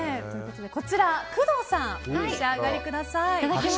こちら、工藤さんお召し上がりください。